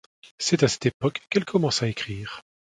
C'est à cette époque qu'elle commence à écrire.